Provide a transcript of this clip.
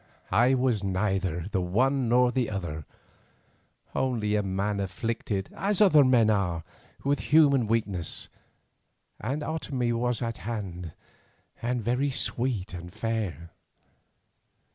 I was neither the one nor the other, only a man afflicted as other men are with human weakness, and Otomie was at hand, and very sweet and fair.